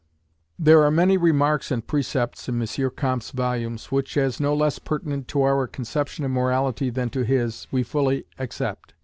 There are many remarks and precepts in M. Comte's volumes, which, as no less pertinent to our conception of morality than to his, we fully accept.